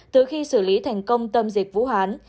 từ khi xử lý thành công tâm dịch vũ hán